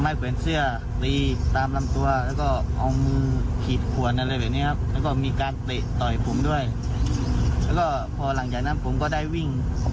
เขาก็เริ่มทำร้ายต่อเริ่มทำร้ายร่างกายผมอีก